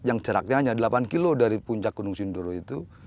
yang jaraknya hanya delapan kilo dari puncak gunung sinduro itu